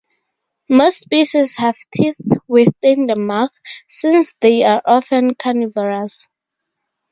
Most species have teeth within the mouth, since they are often carnivorous.